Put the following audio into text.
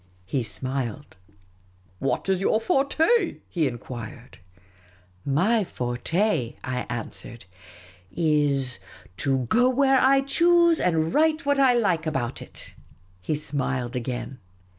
He smiled. What is your forte ?" he enquired. My forte," I answered, " is — to go where I choose, and write what I like about it." • He smiled again.